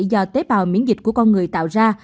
do tế bào miễn dịch của con người tạo ra